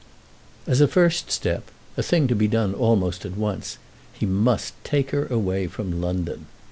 As a first step, a thing to be done almost at once, he must take her away from London.